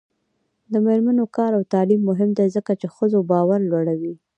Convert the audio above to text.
د میرمنو کار او تعلیم مهم دی ځکه چې ښځو باور لوړوي.